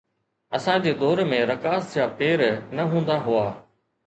اسان جي دور ۾ رقاص جا پير نه هوندا آهن